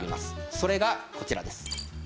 それがこちらです。